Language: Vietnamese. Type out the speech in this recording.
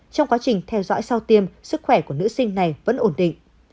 trong quá trình theo dõi sau tiêm sức khỏe của nữ sinh này vẫn ổn định